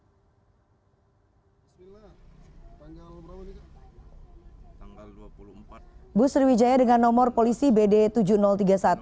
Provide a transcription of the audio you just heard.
sebelumnya sebuah bus sriwijaya dengan rute bengkulu palembang masuk jurang di jalan lintas sumateraala malam